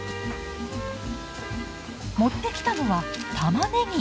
持ってきたのはたまねぎ。